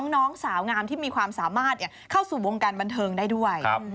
น้องสาวงามที่มีความสามารถเข้าสู่วงการบันเทิงได้ด้วย